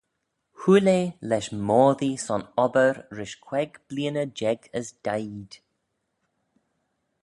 Hooyl eh lesh moddee son obbyr rish queig bleeaney jeig as daeed.